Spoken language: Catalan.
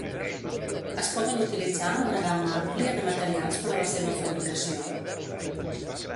Es poden utilitzar una gamma àmplia de materials per a la seva fabricació.